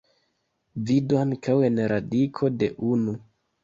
Vidu ankaŭ en radiko de unu.